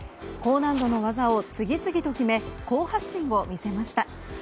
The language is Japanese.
高難度の技を次々と決め好発進を見せました。